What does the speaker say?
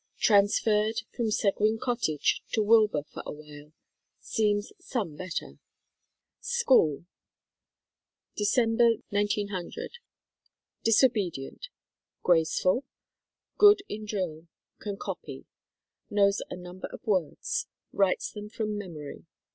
Transferred from Seguin Cottage to Wilbur for a while. Seems some better. SCHOOL. Dec. 'oo. Disobedient. Graceful. Good in drill. Can copy. Knows a number of words. Writes them from memory.